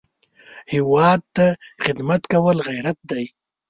هېواد ته خدمت کول غیرت دی